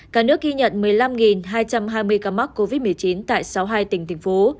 cả nước ghi nhận một mươi năm hai trăm hai mươi ca mắc covid một mươi chín tại sáu mươi hai tỉnh thành phố